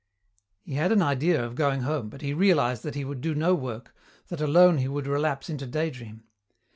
He had an idea of going home, but he realized that he would do no work, that alone he would relapse into daydream.